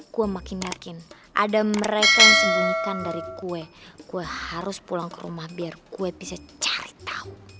gue makin yakin ada mereka yang sembunyikan dari kue gue harus pulang ke rumah biar kue bisa cari tahu